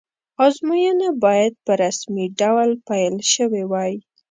ازموینه باید په رسمي ډول پیل شوې وی.